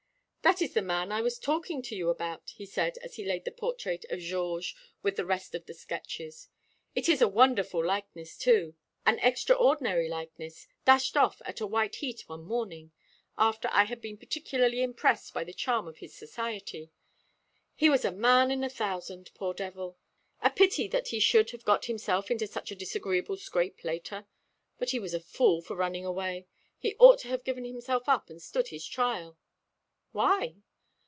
"That is the man I was talking to you about," he said, as he laid the portrait of Georges with the rest of the sketches. "It is a wonderful likeness, too, an extraordinary likeness, dashed off at a white heat one morning, after I had been particularly impressed by the charm of his society. He was a man in a thousand, poor devil. A pity that he should have got himself into such a disagreeable scrape later. But he was a fool for running away. He ought to have given himself up and stood his trial." "Why?"